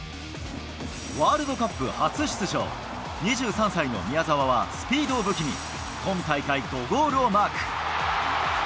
ワールドカップ初出場、２３歳の宮澤は、スピードを武器に、今大会５ゴールをマーク。